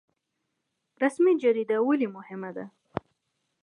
رسمي جریده ولې مهمه ده؟